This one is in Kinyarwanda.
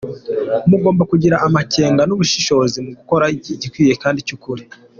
Mugomba kugira amakenga n’ubushishozi mugakora igikwiye kandi cy’ukuri .